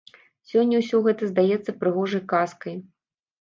Сёння ўсё гэта здаецца прыгожай казкай.